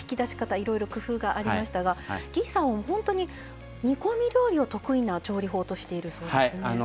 いろいろ工夫がありましたが魏さん、本当に煮込み料理を得意としている調理法ですよね。